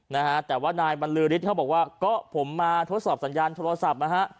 นะฮะแต่ว่านายบรรลือฤทธิเขาบอกว่าก็ผมมาทดสอบสัญญาณโทรศัพท์นะฮะ